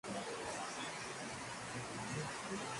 Blanco no les dio respuesta.